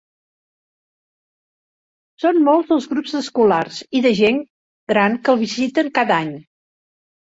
Són molts els grups d'escolars i de gent gran que el visiten cada any.